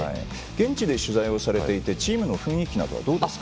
現地で取材をされていてチームの雰囲気などはどうですか？